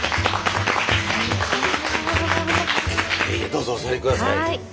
どうぞお座り下さい。